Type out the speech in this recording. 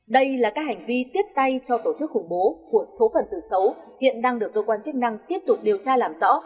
đây là các hành vi tiếp tay cho tổ chức khủng bố của số phần từ xấu hiện đang được cơ quan chức năng tiếp tục điều tra làm rõ